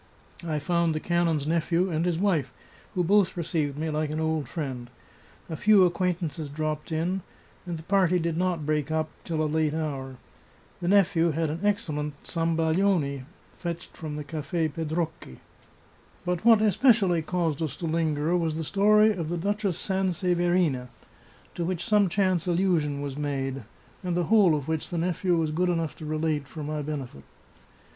I found the canon's nephew, and his wife, who both received me like an old friend. A few acquaintances dropped in, and the party did not break up till a late hour. The nephew had an excellent satnbaglione fetched from the Cafe Pedrocchi. But what especially caused us to linger was the story of the Duch ess Sanseverina, to which some chance allusion was made, and the whole of which the nephew was good enough to relate, for my benefit.